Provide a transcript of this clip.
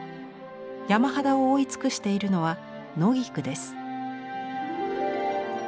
山肌を覆い尽くしているのは野菊です。